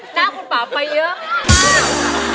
หน้าคุณป่าไปเยอะมาก